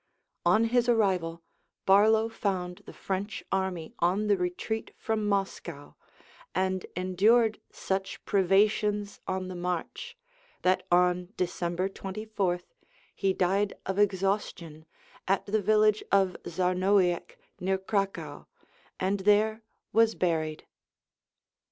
On his arrival Barlow found the French army on the retreat from Moscow, and endured such privations on the march that on December 24th he died of exhaustion at the village of Zarnowiec, near Cracow, and there was buried.